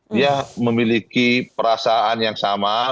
dia memiliki perasaan yang sama